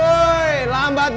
lain kali jangan lupa bawa hp